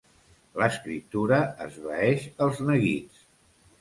L'escriptura esvaeix els neguits.